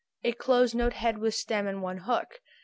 A closed note head with stem and one hook.